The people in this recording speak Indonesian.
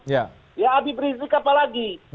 ya abid rizik apalagi